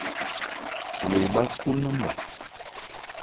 Lò ebhá khó ńnánmɛ.